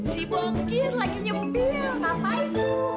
si bokir lagi nyembil apa itu